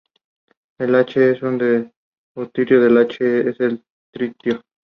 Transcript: El H es el deuterio y el H es el tritio.